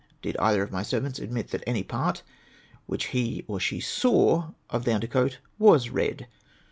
Did either of my servants admit that any part which he or she SAW of the under coat was red